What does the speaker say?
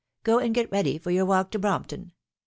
" Go and get ready for your walk to Brompton.